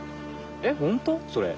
えっほんとう？